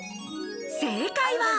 正解は。